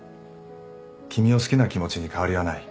君を好きな気持ちに変わりはない